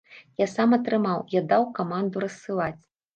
Я сам атрымаў, я даў каманду рассылаць.